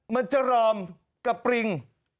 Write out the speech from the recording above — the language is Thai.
มันจะรอมกับปริง